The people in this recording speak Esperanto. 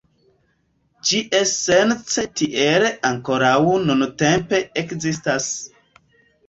Ĝi esence tiel ankoraŭ nuntempe ekzistas.